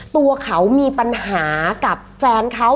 ตัวเขามีปัญหากับแฟนเขา